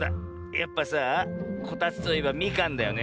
やっぱさあこたつといえばみかんだよね。